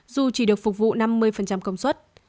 dù chỉ được phục vụ năm mươi công suất